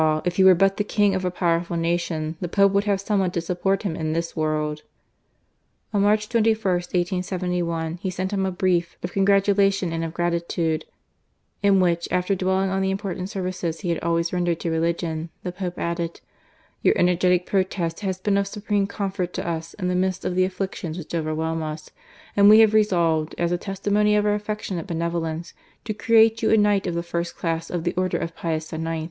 if he were but the King of a powerful nation, the Pope would have some one to support him in this world !" On March 21, 1871, he sent him a Brief of congratulation and of gratitude, in which, after dwelling on the important services he had always rendered to religion, the Pope added :" Your energetic protest has been of supreme comfort to us in the midst of the afflictions which overwhelm us ; and we have resolved, as a testimony of our affectionate benevolence, to create you a Knight of the First Class of the Order of Pius IX.